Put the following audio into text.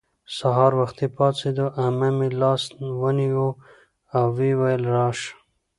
سهار وختي پاڅېدو. عمه مې لاس ونیو او ویې ویل:راشه